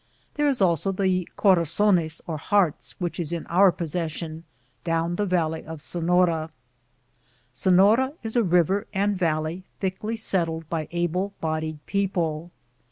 There is also the Corazones or Hearts, which is in our possession, down the valley of Se fiora. 1 Sefiora is a river and valley thickly settled by able bodied people.